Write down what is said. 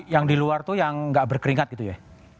yang di luar itu yang gak berkeringat gitu ya